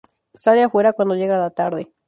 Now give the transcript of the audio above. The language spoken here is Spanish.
Sale afuera cuando llega la tarde.